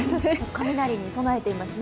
雷に備えていますね。